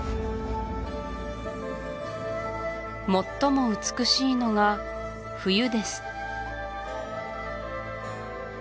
最も美しいのが冬です